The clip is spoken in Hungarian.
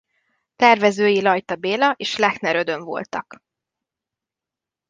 Tervezői Lajta Béla és Lechner Ödön voltak.